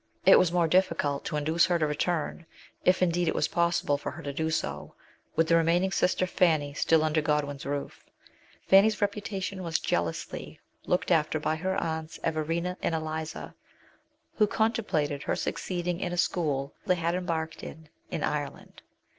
It was more difficult to induce her to return, if indeed it was possible for her to do so, with the remaining sister, Fanny, still under Godwin's roof. Fanny's reputation was jealously looked after by her aunts Everina and Eliza, who contemplated her succeeding in a school they had embarked in in Ireland.